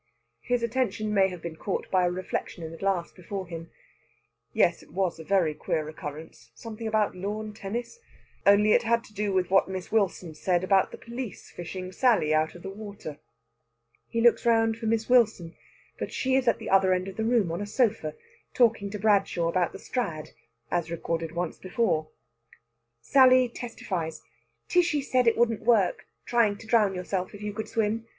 His attention may have been caught by a reflection in a glass before him. "Yes, it was a very queer recurrence. Something about lawn tennis. Only it had to do with what Miss Wilson said about the police fishing Sally out of the water." He looks round for Miss Wilson, but she is at the other end of the room on a sofa talking to Bradshaw about the Strad, as recorded once before. Sally testifies: "Tishy said it wouldn't work trying to drown yourself if you could swim.